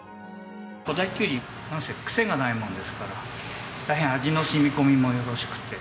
古太きゅうりなんせクセがないもんですから大変味の染み込みもよろしくて。